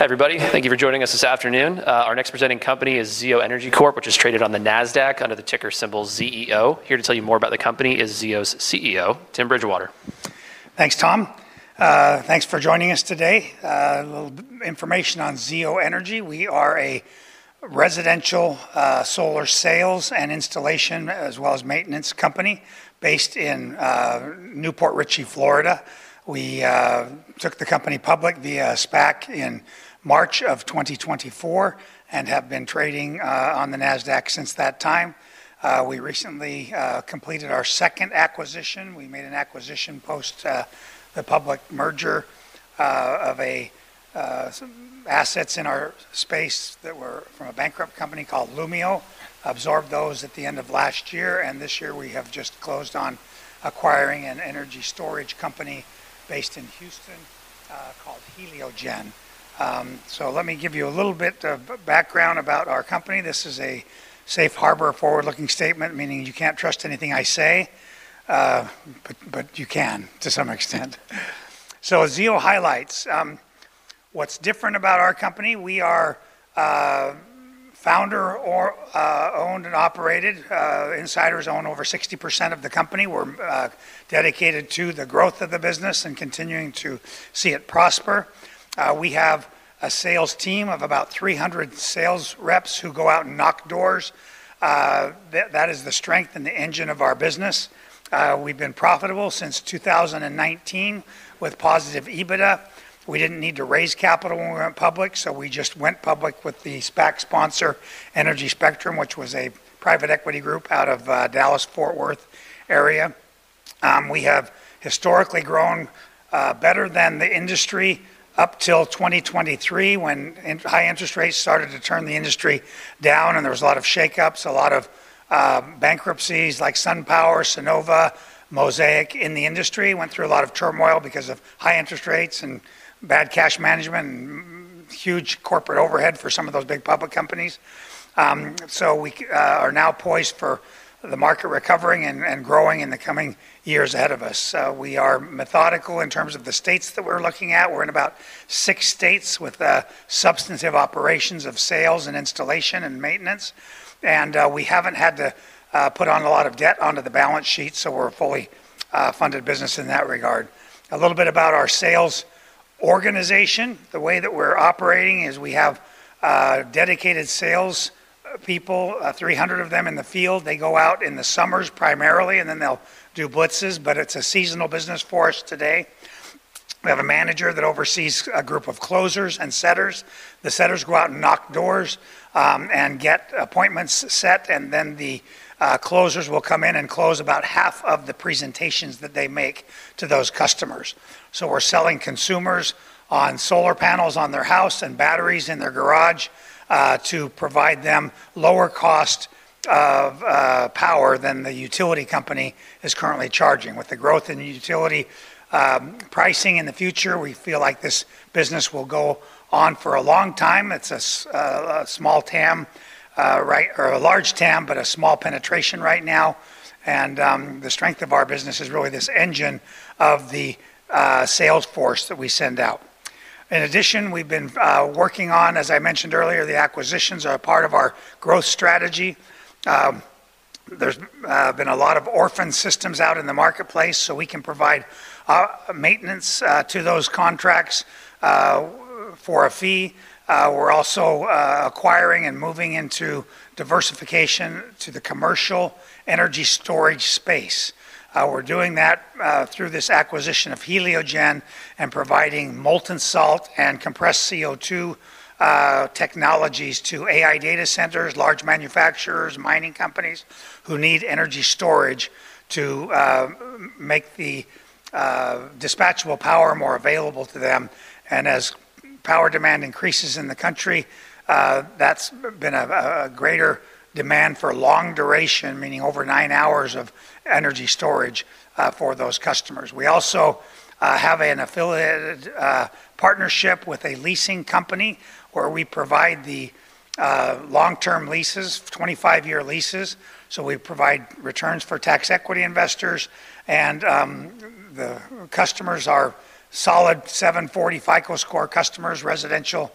Hi everybody, thank you for joining us this afternoon. Our next presenting company is Zeo Energy Corp, which is traded on the NASDAQ under the ticker symbol ZEO. Here to tell you more about the company is Zeo's CEO, Tim Bridgewater. Thanks, Tom. Thanks for joining us today. A little information on Zeo Energy. We are a residential solar sales and installation as well as maintenance company based in New Port Richey, Florida. We took the company public via SPAC in March of 2024 and have been trading on the NASDAQ since that time. We recently completed our second acquisition. We made an acquisition post the public merger of some assets in our space that were from a bankrupt company called Lumio. Absorbed those at the end of last year, and this year we have just closed on acquiring an energy storage company based in Houston called Heliogen . Let me give you a little bit of background about our company. This is a safe harbor forward-looking statement, meaning you can't trust anything I say, but you can to some extent. Zeo highlights what's different about our company. We are founder-owned and operated. Insiders own over 60% of the company. We're dedicated to the growth of the business and continuing to see it prosper. We have a sales team of about 300 sales reps who go out and knock doors. That is the strength and the engine of our business. We've been profitable since 2019 with positive EBITDA. We didn't need to raise capital when we went public, so we just went public with the SPAC sponsor, Energy Spectrum, which was a private equity group out of Dallas-Fort Worth area. We have historically grown better than the industry up till 2023 when high interest rates started to turn the industry down and there were a lot of shakeups, a lot of bankruptcies like Sunergy, Sunova, Mosaic in the industry. Went through a lot of turmoil because of high interest rates and bad cash management and huge corporate overhead for some of those big public companies. We are now poised for the market recovering and growing in the coming years ahead of us. We are methodical in terms of the states that we're looking at. We're in about six states with substantive operations of sales and installation and maintenance. We haven't had to put on a lot of debt onto the balance sheet, so we're a fully funded business in that regard. A little bit about our sales organization. The way that we're operating is we have dedicated salespeople, 300 of them in the field. They go out in the summers primarily, and then they'll do blitzes, but it's a seasonal business for us today. We have a manager that oversees a group of closers and setters. The setters go out and knock doors and get appointments set, and then the closers will come in and close about half of the presentations that they make to those customers. We're selling consumers on solar panels on their house and batteries in their garage to provide them lower cost of power than the utility company is currently charging. With the growth in utility pricing in the future, we feel like this business will go on for a long time. It's a large TAM, but a small penetration right now. The strength of our business is really this engine of the sales force that we send out. In addition, we've been working on, as I mentioned earlier, the acquisitions are a part of our growth strategy. There's been a lot of orphaned systems out in the marketplace, so we can provide maintenance to those contracts for a fee. We're also acquiring and moving into diversification to the commercial energy storage space. We're doing that through this acquisition of Heliogen and providing molten salt and compressed CO2 storage technologies to AI data centers, large manufacturers, mining companies who need energy storage to make the dispatchable power more available to them. As power demand increases in the country, that's been a greater demand for long-duration, meaning over nine hours of energy storage for those customers. We also have an affiliated partnership with a leasing company where we provide the long-term leases, 25-year leases, so we provide returns for tax equity investors. The customers are solid 740 FICO score customers, residential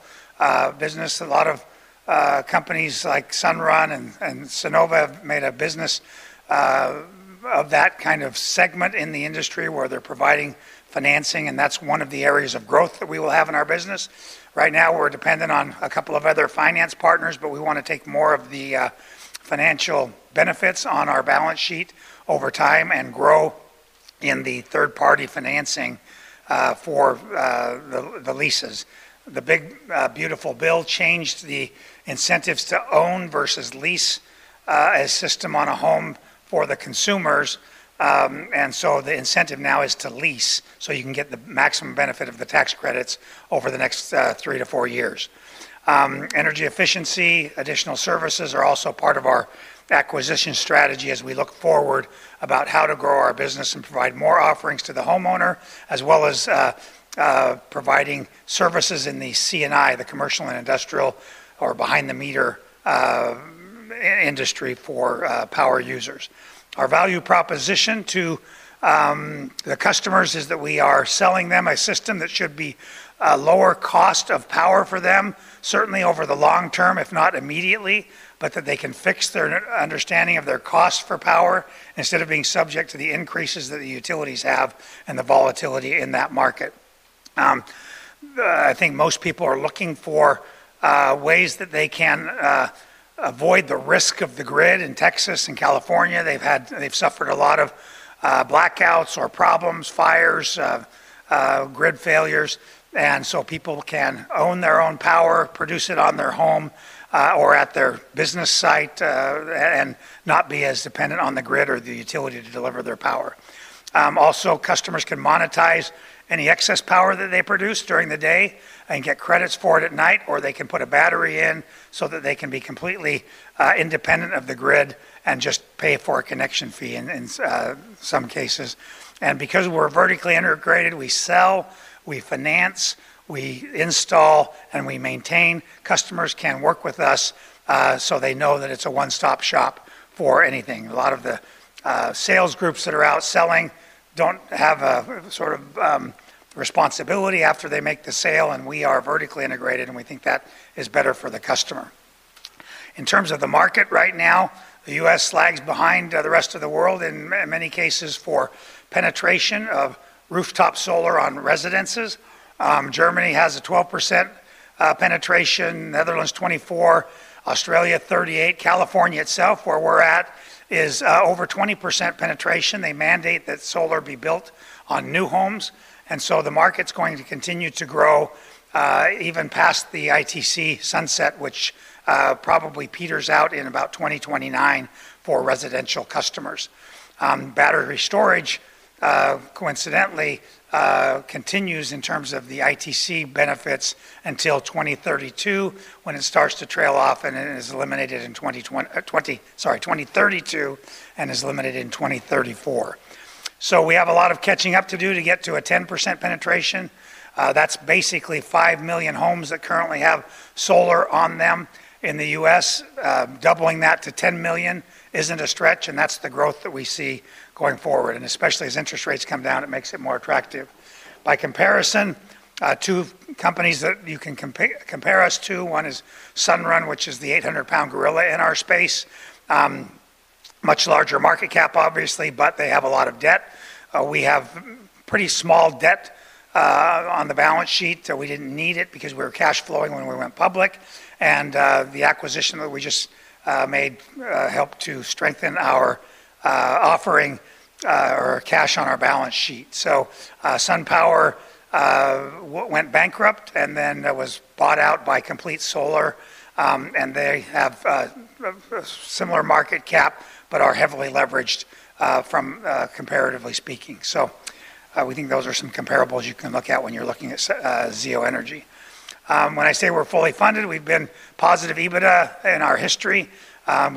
business. A lot of companies like Sunrun and Sunova have made a business of that kind of segment in the industry where they're providing financing, and that's one of the areas of growth that we will have in our business. Right now, we're dependent on a couple of other finance partners, but we want to take more of the financial benefits on our balance sheet over time and grow in the third-party financing for the leases. The big beautiful bill changed the incentives to own versus lease a system on a home for the consumers, and the incentive now is to lease so you can get the maximum benefit of the tax credits over the next three to four years. Energy efficiency, additional services are also part of our acquisition strategy as we look forward about how to grow our business and provide more offerings to the homeowner, as well as providing services in the C&I, the commercial and industrial, or behind-the-meter industry for power users. Our value proposition to the customers is that we are selling them a system that should be a lower cost of power for them, certainly over the long term, if not immediately, but that they can fix their understanding of their cost for power instead of being subject to the increases that the utilities have and the volatility in that market. I think most people are looking for ways that they can avoid the risk of the grid in Texas and California. They've suffered a lot of blackouts or problems, fires, grid failures, and people can own their own power, produce it on their home or at their business site, and not be as dependent on the grid or the utility to deliver their power. Also, customers can monetize any excess power that they produce during the day and get credits for it at night, or they can put a battery in so that they can be completely independent of the grid and just pay for a connection fee in some cases. Because we're vertically integrated, we sell, we finance, we install, and we maintain. Customers can work with us, so they know that it's a one-stop shop for anything. A lot of the sales groups that are out selling don't have a sort of responsibility after they make the sale, and we are vertically integrated, and we think that is better for the customer. In terms of the market right now, the U.S, lags behind the rest of the world in many cases for penetration of rooftop solar on residences. Germany has a 12% penetration, Netherlands 24%, Australia 38%, California itself, where we're at, is over 20% penetration. They mandate that solar be built on new homes, and the market's going to continue to grow even past the ITC sunset, which probably peters out in about 2029 for residential customers. Battery storage, coincidentally, continues in terms of the ITC benefits until 2032 when it starts to trail off and it is eliminated in 2032 and is limited in 2034. We have a lot of catching up to do to get to a 10% penetration. That's basically 5 million homes that currently have solar on them in the U.S. Doubling that to 10 million isn't a stretch, and that's the growth that we see going forward, especially as interest rates come down, it makes it more attractive. By comparison, two companies that you can compare us to, one is Sunrun, which is the 800-pound gorilla in our space, much larger market cap, obviously, but they have a lot of debt. We have pretty small debt on the balance sheet. We didn't need it because we were cash flowing when we went public, and the acquisition that we just made helped to strengthen our offering or cash on our balance sheet. SunPower went bankrupt and then was bought out by Complete Solar, and they have a similar market cap but are heavily leveraged comparatively speaking. We think those are some comparables you can look at when you're looking at Zeo Energy. When I say we're fully funded, we've been positive EBITDA in our history.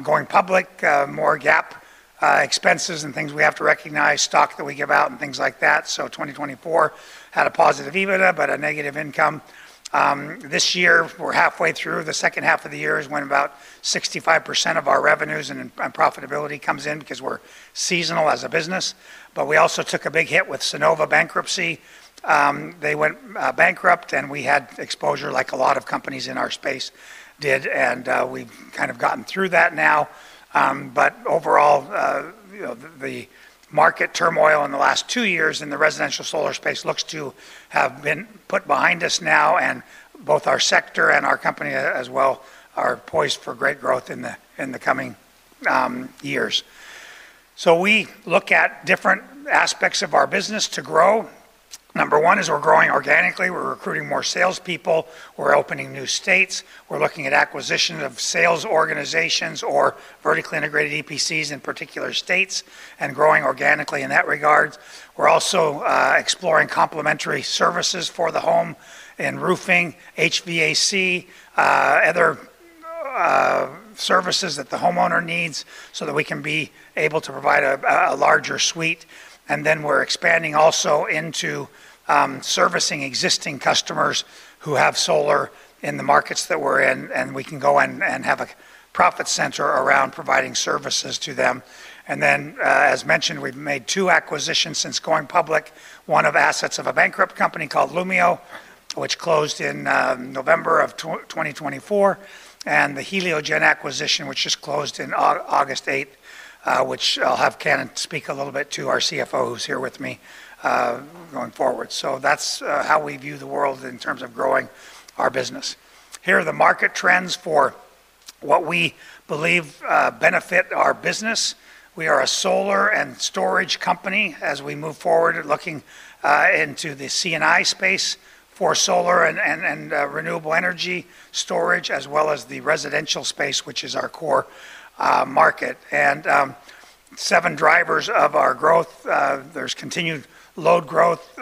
Going public, more GAAP expenses and things we have to recognize, stock that we give out and things like that. In 2024, we had a positive EBITDA but a negative income. This year, we're halfway through. The second half of the year is when about 65% of our revenues and profitability comes in because we're seasonal as a business. We also took a big hit with the Sonova bankruptcy. They went bankrupt and we had exposure like a lot of companies in our space did, and we've kind of gotten through that now. Overall, the market turmoil in the last two years in the residential solar space looks to have been put behind us now, and both our sector and our company as well are poised for great growth in the coming years. We look at different aspects of our business to grow. Number one is we're growing organically. We're recruiting more salespeople. We're opening new states. We're looking at acquisition of sales organizations or vertically integrated EPCs in particular states and growing organically in that regard. We're also exploring complementary services for the home in roofing, HVAC, other services that the homeowner needs so that we can be able to provide a larger suite. We're expanding also into servicing existing customers who have solar in the markets that we're in, and we can go in and have a profit center around providing services to them. As mentioned, we've made two acquisitions since going public. One of the assets of a bankrupt company called Lumio, which closed in November of 2024, and the Heliogen acquisition, which just closed on August 8th, which I'll have Cannon speak a little bit to, our CFO who's here with me going forward. That's how we view the world in terms of growing our business. Here are the market trends for what we believe benefit our business. We are a solar and storage company as we move forward, looking into the C&I space for solar and renewable energy storage, as well as the residential space, which is our core market. There are seven drivers of our growth. There's continued load growth,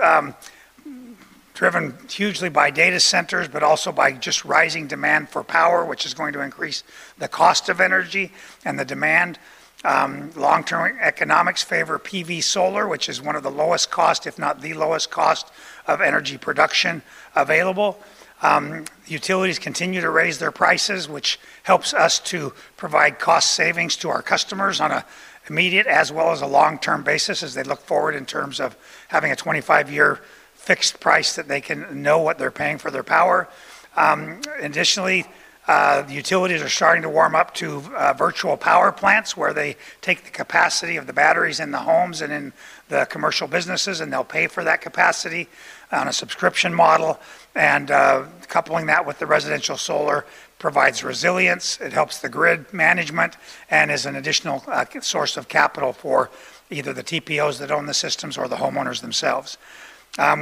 driven hugely by data centers, but also by just rising demand for power, which is going to increase the cost of energy and the demand. Long-term economics favor PV solar, which is one of the lowest costs, if not the lowest cost of energy production available. Utilities continue to raise their prices, which helps us to provide cost savings to our customers on an immediate as well as a long-term basis as they look forward in terms of having a 25-year fixed price that they can know what they're paying for their power. Additionally, utilities are starting to warm up to virtual power plants where they take the capacity of the batteries in the homes and in the commercial businesses, and they'll pay for that capacity on a subscription model. Coupling that with the residential solar provides resilience. It helps the grid management and is an additional source of capital for either the TPOs that own the systems or the homeowners themselves.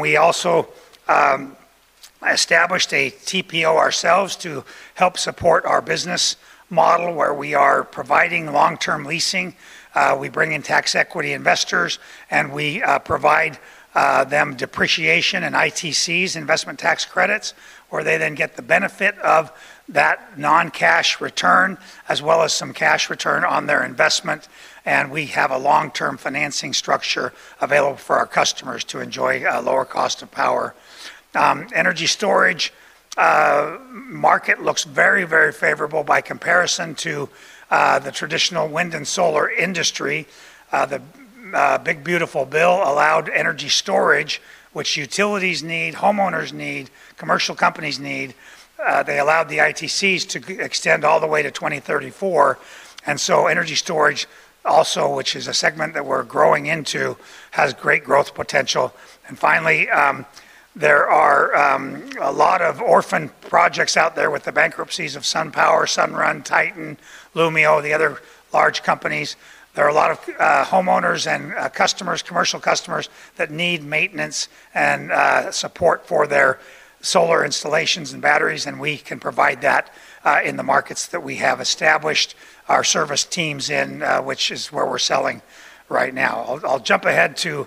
We also established a TPO ourselves to help support our business model where we are providing long-term leasing. We bring in tax equity investors, and we provide them depreciation and ITCs, investment tax credits, where they then get the benefit of that non-cash return, as well as some cash return on their investment. We have a long-term financing structure available for our customers to enjoy a lower cost of power. The energy storage market looks very, very favorable by comparison to the traditional wind and solar industry. The big beautiful bill allowed energy storage, which utilities need, homeowners need, commercial companies need. They allowed the ITCs to extend all the way to 2034. Energy storage also, which is a segment that we're growing into, has great growth potential. Finally, there are a lot of orphan projects out there with the bankruptcies of SunPower, Sunrun, Titan, Lumio, the other large companies. There are a lot of homeowners and customers, commercial customers that need maintenance and support for their solar installations and batteries, and we can provide that in the markets that we have established our service teams in, which is where we're selling right now. I'll jump ahead to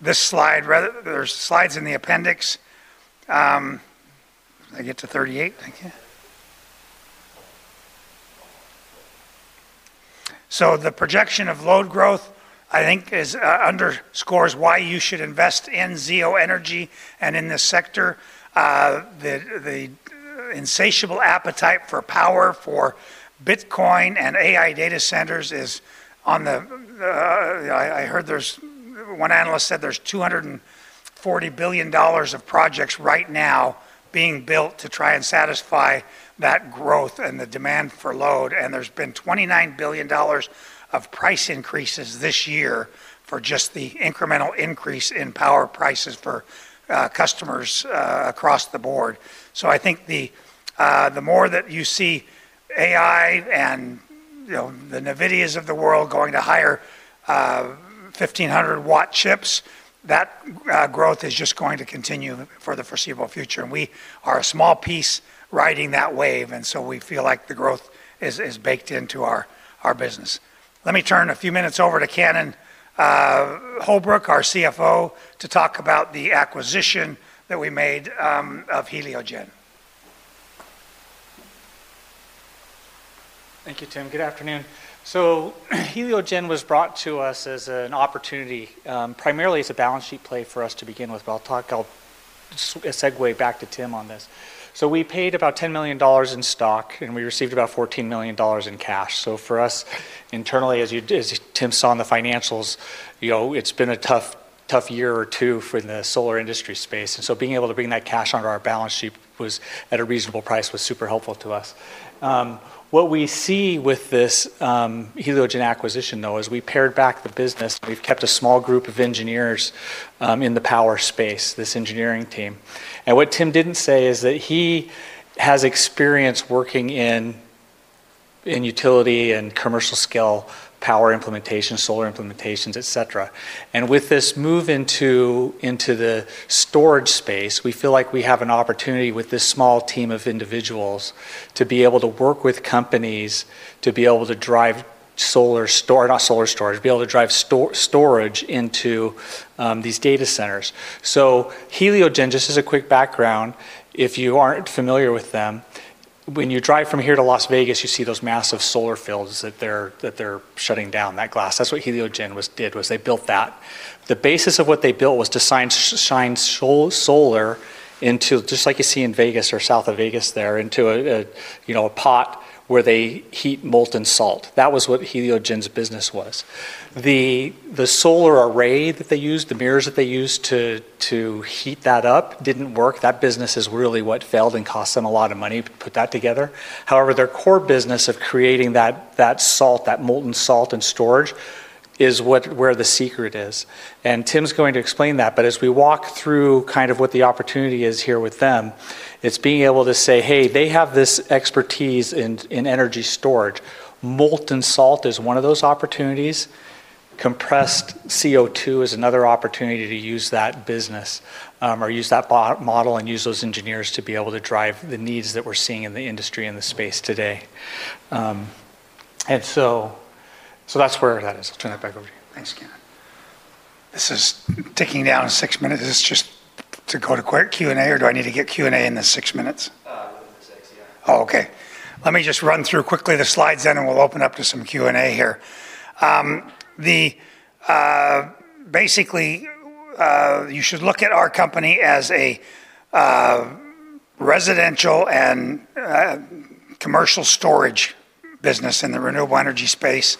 this slide. There are slides in the appendix. I get to 38. Thank you. The projection of load growth, I think, underscores why you should invest in Zeo Energy and in this sector. The insatiable appetite for power, for Bitcoin and AI data centers is on the... I heard there's... One analyst said there's $240 billion of projects right now being built to try and satisfy that growth and the demand for load. There's been $29 billion of price increases this year for just the incremental increase in power prices for customers across the board. I think the more that you see AI and the NVIDIAs of the world going to hire 1,500W chips, that growth is just going to continue for the foreseeable future. We are a small piece riding that wave, and we feel like the growth is baked into our business. Let me turn a few minutes over to Cannon Holbrook, our CFO, to talk about the acquisition that we made of Heliogen. Thank you, Tim. Good afternoon. Heliogen was brought to us as an opportunity, primarily as a balance sheet play for us to begin with. I'll segue back to Tim on this. We paid about $10 million in stock, and we received about $14 million in cash. For us internally, as Tim saw in the financials, it's been a tough year or two for the solar industry space. Being able to bring that cash onto our balance sheet at a reasonable price was super helpful to us. What we see with this Heliogen acquisition is we paired back the business. We've kept a small group of engineers in the power space, this engineering team. What Tim didn't say is that he has experience working in utility and commercial scale power implementations, solar implementations, etc. With this move into the storage space, we feel like we have an opportunity with this small team of individuals to be able to work with companies to drive storage into these AI data centers. Heliogen, just as a quick background, if you aren't familiar with them, when you drive from here to Las Vegas, you see those massive solar fields that they're shutting down, that glass. That's what Heliogen did, was they built that. The basis of what they built was to shine solar into, just like you see in Vegas or south of Vegas there, into a pot where they heat molten salt. That was what Heliogen's business was. The solar array that they used, the mirrors that they used to heat that up didn't work. That business is really what failed and cost them a lot of money to put that together. However, their core business of creating that salt, that molten salt and storage is where the secret is. Tim's going to explain that, but as we walk through what the opportunity is here with them, it's being able to say, hey, they have this expertise in energy storage. Molten salt is one of those opportunities. Compressed CO2 is another opportunity to use that business or use that model and use those engineers to drive the needs that we're seeing in the industry and the space today. That's where that is. I'll turn that back over to you. Thanks, Cannon. This is ticking down six minutes. Is this just to go to quick Q&A, or do I need to get Q&A in the six minutes? Oh, okay. Let me just run through quickly the slides then, and we'll open up to some Q&A here. Basically, you should look at our company as a residential and commercial storage business in the renewable energy space.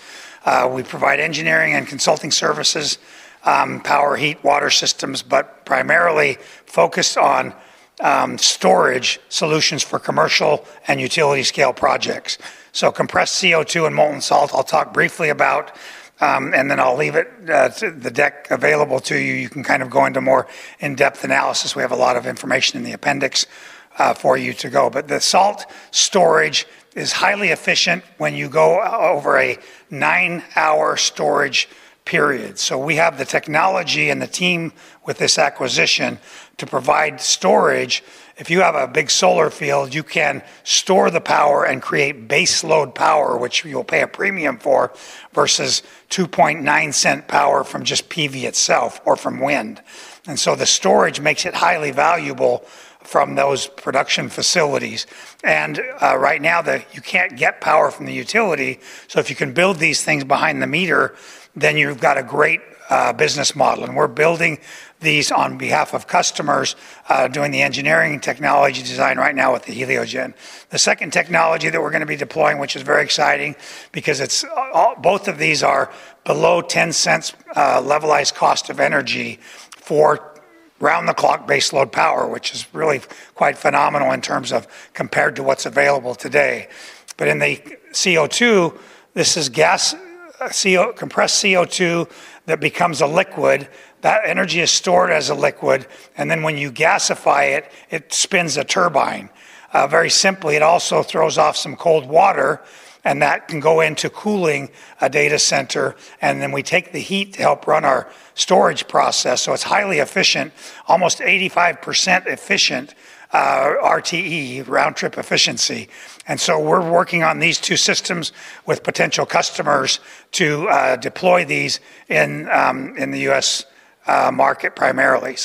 We provide engineering and consulting services, power, heat, water systems, but primarily focus on storage solutions for commercial and utility scale projects. Compressed CO2 and molten salt, I'll talk briefly about, and then I'll leave the deck available to you. You can kind of go into more in-depth analysis. We have a lot of information in the appendix for you to go. The salt storage is highly efficient when you go over a nine-hour storage period. We have the technology and the team with this acquisition to provide storage. If you have a big solar field, you can store the power and create base load power, which you will pay a premium for, versus $0.029 power from just PV itself or from wind. The storage makes it highly valuable from those production facilities. Right now, you can't get power from the utility. If you can build these things behind the meter, then you've got a great business model. We're building these on behalf of customers, doing the engineering and technology design right now with Heliogen. The second technology that we're going to be deploying, which is very exciting, because both of these are below $0.10 levelized cost of energy for round-the-clock base load power, which is really quite phenomenal in terms of compared to what's available today. In the CO2, this is gas, compressed CO2 that becomes a liquid. That energy is stored as a liquid. When you gasify it, it spins a turbine. Very simply, it also throws off some cold water, and that can go into cooling a data center. We take the heat to help run our storage process. It's highly efficient, almost 85% efficient RTE, round-trip efficiency. We're working on these two systems with potential customers to deploy these in the U.S., market primarily.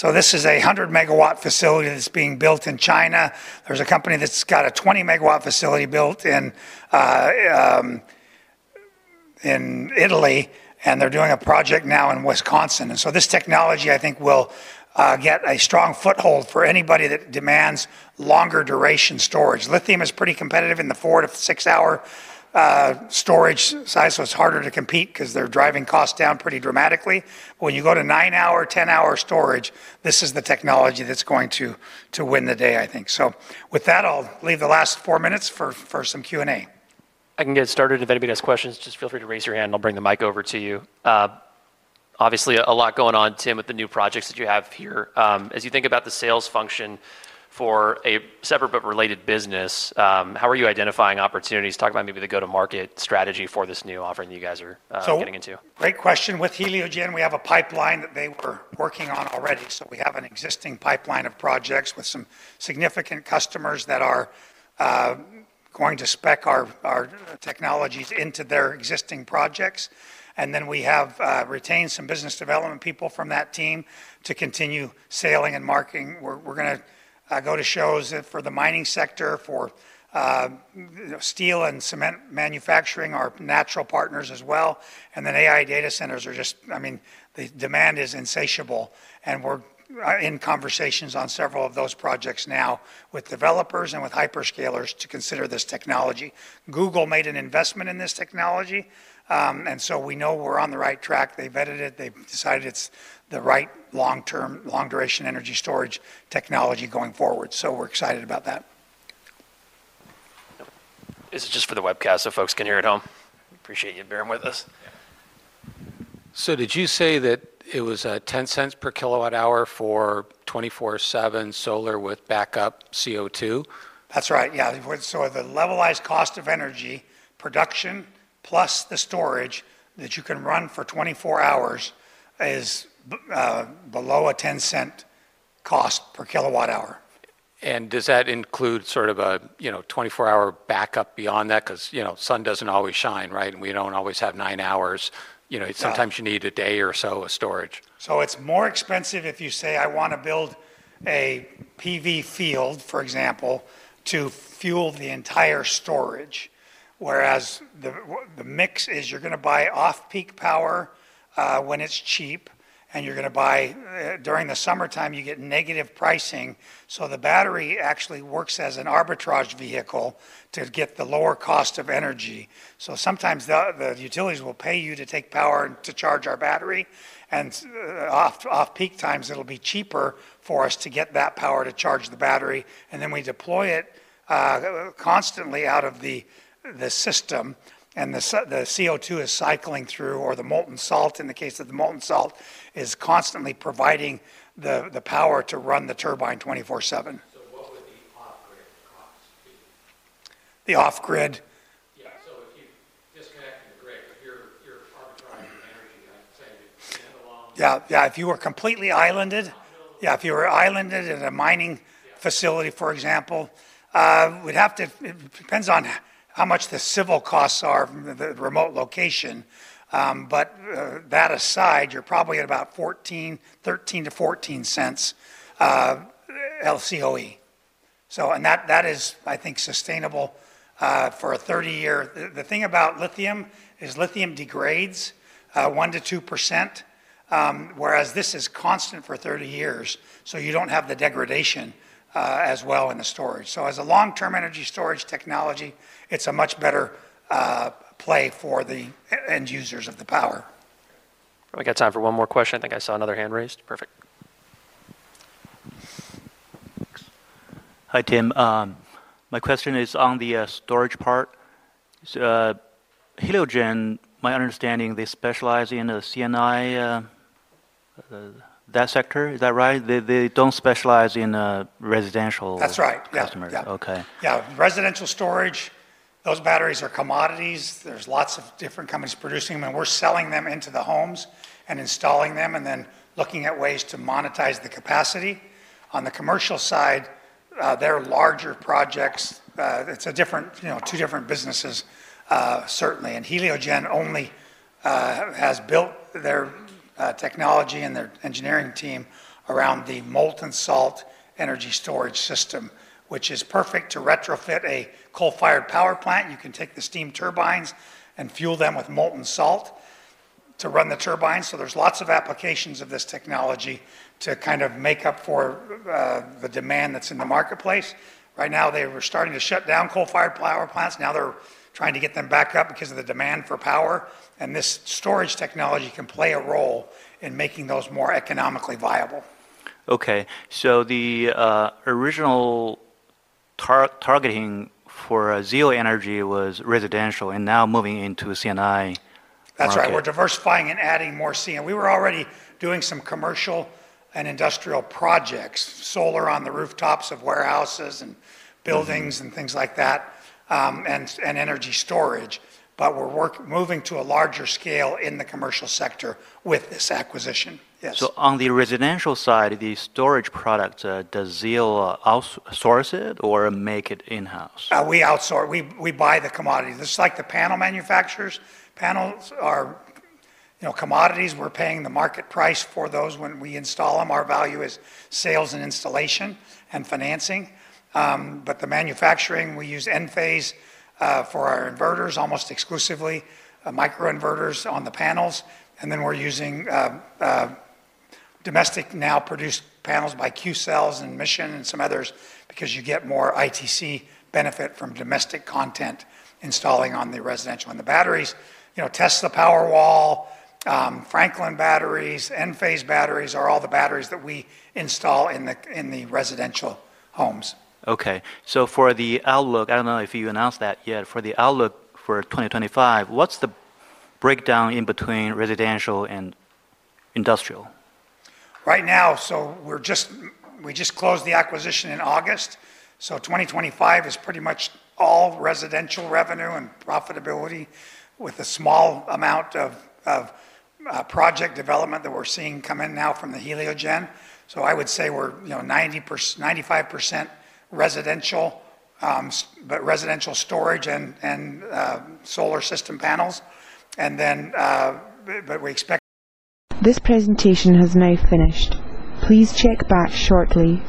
This is a 100 MW facility that's being built in China. There's a company that's got a 20 MW facility built in Italy, and they're doing a project now in Wisconsin. This technology, I think, will get a strong foothold for anybody that demands longer duration storage. Lithium is pretty competitive in the four to six-hour storage size, so it's harder to compete because they're driving costs down pretty dramatically. When you go to nine-hour, ten-hour storage, this is the technology that's going to win the day, I think. I'll leave the last four minutes for some Q&A. I can get started. If anybody has questions, just feel free to raise your hand and I'll bring the mic over to you. Obviously, a lot going on, Tim, with the new projects that you have here. As you think about the sales function for a separate but related business, how are you identifying opportunities? Talk about maybe the go-to-market strategy for this new offering that you guys are getting into. Great question. With Heliogen, we have a pipeline that they were working on already. We have an existing pipeline of projects with some significant customers that are going to spec our technologies into their existing projects. We have retained some business development people from that team to continue selling and marketing. We're going to go to shows for the mining sector, for steel and cement manufacturing, our natural partners as well. AI data centers are just, I mean, the demand is insatiable. We're in conversations on several of those projects now with developers and with hyperscalers to consider this technology. Google made an investment in this technology, and we know we're on the right track. They vetted it. They decided it's the right long-term, long-duration energy storage technology going forward. We're excited about that. Is it just for the webcast so folks can hear it at home? Appreciate you bearing with us. Did you say that it was $0.10 per kW hour for 24/7 solar with backup CO2? That's right. Yeah. The levelized cost of energy, production plus the storage that you can run for 24 hours, is below a $0.10 cost per kW hour. Does that include sort of a 24-hour backup beyond that? Because sun doesn't always shine, right? We don't always have nine hours. Sometimes you need a day or so of storage. It is more expensive if you say I want to build a PV field, for example, to fuel the entire storage. Whereas the mix is you are going to buy off-peak power when it's cheap, and you are going to buy during the summertime, you get negative pricing. The battery actually works as an arbitrage vehicle to get the lower cost of energy. Sometimes the utilities will pay you to take power and to charge our battery. At off-peak times, it will be cheaper for us to get that power to charge the battery. Then we deploy it constantly out of the system, and the CO2 is cycling through, or the molten salt, in the case of the molten salt, is constantly providing the power to run the turbine 24/7. If you were completely islanded, for example, in a mining facility, it depends on how much the civil costs are from the remote location. That aside, you are probably at about $0.13- $0.14 LCOE. That is, I think, sustainable for a 30-year period. The thing about lithium is lithium degrades 1%- 2%, whereas this is constant for 30 years. You do not have the degradation as well in the storage. As a long-term energy storage technology, it is a much better play for the end users of the power. We have time for one more question. I think I saw another hand raised. Perfect. Hi, Tim. My question is on the storage part. Heliogen, my understanding, they specialize in the C&I, that sector. Is that right? They don't specialize in residential customers. That's right. Yeah, residential storage, those batteries are commodities. There's lots of different companies producing them, and we're selling them into the homes and installing them, then looking at ways to monetize the capacity. On the commercial side, they're larger projects. It's a different, two different businesses, certainly. Heliogen only has built their technology and their engineering team around the molten salt energy storage system, which is perfect to retrofit a coal-fired power plant. You can take the steam turbines and fuel them with molten salt to run the turbines. There's lots of applications of this technology to kind of make up for the demand that's in the marketplace. Right now, they were starting to shut down coal-fired power plants. Now they're trying to get them back up because of the demand for power. This storage technology can play a role in making those more economically viable. Okay. The original targeting for Zeo Energy was residential and now moving into the C&I. That's right. We're diversifying and adding more C&I. We were already doing some commercial and industrial projects, solar on the rooftops of warehouses and buildings and things like that, and energy storage. We're moving to a larger scale in the commercial sector with this acquisition. On the residential side, the storage product, does Zeo outsource it or make it in-house? We outsource. We buy the commodities. It's like the panel manufacturers. Panels are commodities. We're paying the market price for those when we install them. Our value is sales and installation and financing. The manufacturing, we use Enphase for our inverters almost exclusively, microinverters on the panels. We're using domestic now produced panels by Qcells and Mission and some others because you get more ITC benefit from domestic content installing on the residential. The batteries, Tesla Powerwall, Franklin batteries, Enphase batteries are all the batteries that we install in the residential homes. Okay. For the outlook, I don't know if you announced that yet, for the outlook for 2025, what's the breakdown in between residential and industrial? Right now, we just closed the acquisition in August. 2025 is pretty much all residential revenue and profitability with a small amount of project development that we're seeing come in now from Heliogen. I would say we're 95% residential, residential storage and solar system panels and then We expect. This presentation has now finished. Please check back shortly.